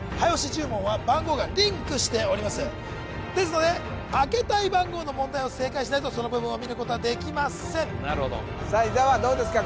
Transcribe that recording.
１０問は番号がリンクしておりますですので開けたい番号の問題を正解しないとその部分を見ることはできませんさあ伊沢どうですか？